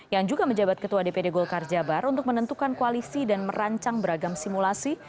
yang juga menjabat ketua dpd golkar jabar untuk menentukan koalisi dan merancang beragam simulasi